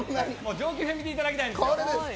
上級編見ていただきたいんです。